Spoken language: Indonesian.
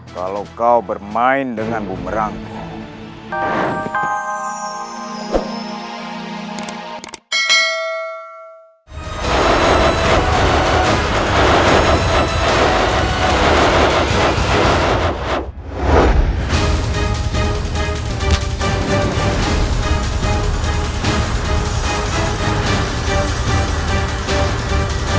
kalau kau bermain dengan bumerangku